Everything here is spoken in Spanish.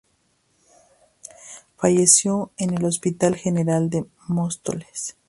Falleció en el Hospital General de Móstoles.